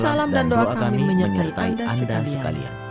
salam dan doa kami menyertai anda sekalian